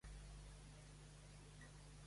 Puerto Rico és la selecció amb més triomfs.